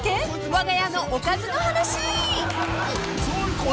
わが家のおかずの話］